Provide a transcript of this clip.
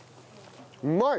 うまい！